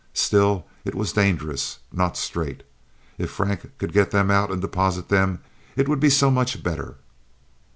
Still, it was dangerous—not straight. If Frank could get them out and deposit them it would be so much better.